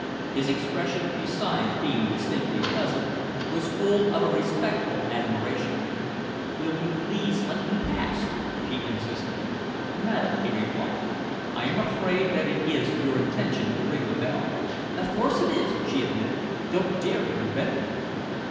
His expression, besides being distinctly pleasant, was full of a respectful admiration. "Will you please let me pass?" she insisted. "Madam," he replied, "I am afraid that it is your intention to ring the bell." "Of course it is," she admitted. "Don't dare to prevent me."